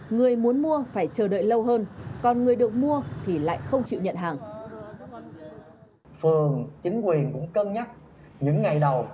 người muốn mua phải chờ đợi lâu hơn còn người được mua thì lại không chịu nhận hàng